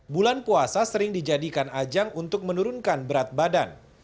bulan puasa sering dijadikan ajang untuk menurunkan berat badan